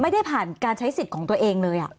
ไม่ได้ผ่านการใช้สิทธิ์ของตัวเองเลย